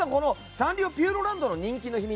サンリオピューロランドの人気の秘密